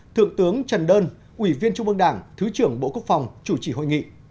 thượng tướng trần đơn ủy viên trung ương đảng thứ trưởng bộ quốc phòng chủ trì hội nghị